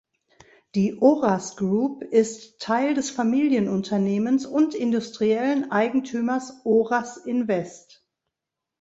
Die Oras Group ist Teil des Familienunternehmens und industriellen Eigentümers Oras Invest.